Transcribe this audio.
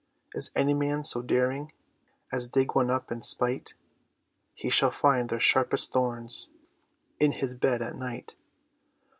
Is any man so daring As dig one up in spite, He shall find their sharpest thorns In his bed at night.